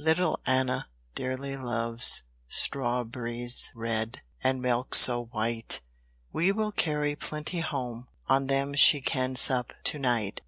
Little Anna dearly loves Strawb'ries red, and milk so white: We will carry plenty home, On them she can sup to night.